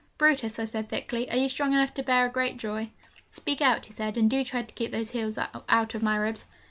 'Brutus,' I said thickly, 'are you strong enough to bear a great joy?' 'Speak out,' he said, 'and do try to keep those heels out of my ribs.'